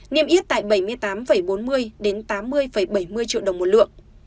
niêm yết tại bảy mươi tám bốn mươi đến tám mươi bảy mươi triệu đồng một lượng